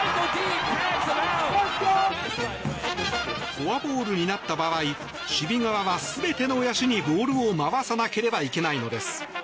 フォアボールになった場合守備側は全ての野手にボールを回さなければいけないのです。